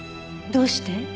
どうして？